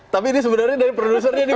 tapi ini sebenarnya dari produsernya nih